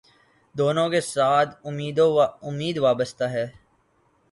دونوں کے ساتھ امید وابستہ ہے